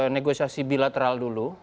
negosiasi bilateral dulu